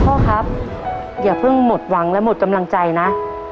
พ่อครับอย่าเพิ่งหมดหวังและหมดกำลังใจนะ